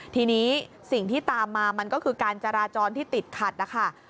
ทีนี้สิ่งที่ตามมามันก็คือการจราจรที่ติดขัดนะคะ